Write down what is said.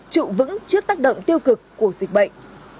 trụ vững trước tác động tiêu cực của dịch bệnh